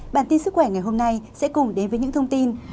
bản tin sức khỏe ngày hôm nay sẽ cùng đến với những thông tin